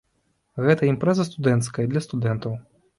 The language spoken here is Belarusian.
Гэта імпрэза студэнцкая і для студэнтаў.